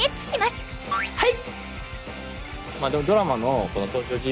はい！